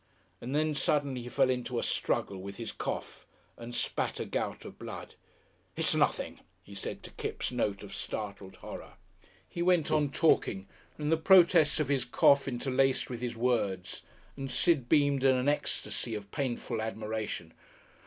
And suddenly he fell into a struggle with his cough and spat a gout of blood. "It's nothing," he said to Kipps' note of startled horror. He went on talking, and the protests of his cough interlaced with his words, and Sid beamed in an ecstasy of painful admiration.